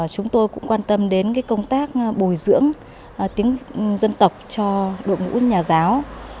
chúng tôi cũng quan tâm đến công tác bồi dưỡng tiếng dân tộc cho đội ngũ nhà giáo